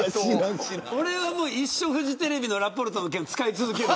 一生フジテレビのラ・ポルトの券、使い続ける。